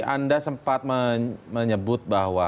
anda sempat menyebut bahwa